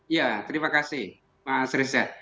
ya terima kasih mas reza